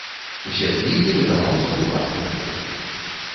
Усе кнігі выдаваў за ўласны кошт.